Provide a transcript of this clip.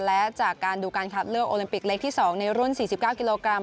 และจากการดูการคัดเลือกโอลิมปิกเล็กที่๒ในรุ่น๔๙กิโลกรัม